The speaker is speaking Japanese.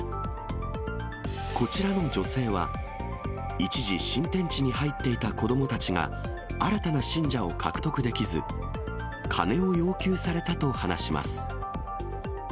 こちらの女性は、一時、新天地に入っていた子どもたちが新たな信者を獲得できず、金を要求されたと話します。